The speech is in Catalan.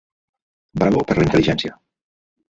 Bravo per la intel·ligència.